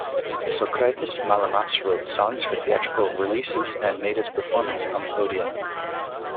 Sokratis Malamas wrote songs for theatrical releases and made his performance in the odeon.